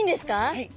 はい。